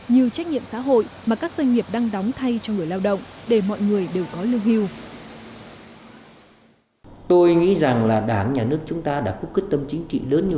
như trách nhiệm xã hội mà các doanh nghiệp đang đóng thay cho người lao động để mọi người đều có lương hưu